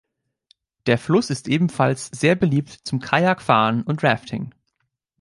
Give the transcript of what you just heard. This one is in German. Der Fluss ist ebenfalls sehr beliebt zum Kajakfahren und Rafting.